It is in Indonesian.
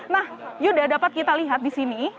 nah yuda dapat kita lihat di sini